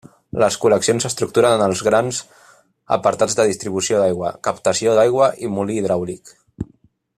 Les col·leccions s'estructuren en els grans apartats de distribució d'aigua, captació d'aigua i molí hidràulic.